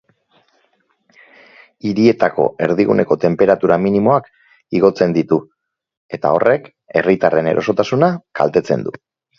Hirietako erdiguneko tenperatura minimoak igotzen ditu, eta horrek herritarren erosotasuna kaltetzen du.